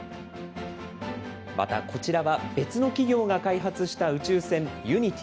また、こちらは別の企業が開発した宇宙船ユニティ。